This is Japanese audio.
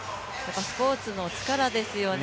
スポーツの力ですよね。